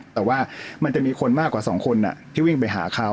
แต่ว่ามันจะมีคนมากกว่า๒คนที่วิ่งไปหาเขา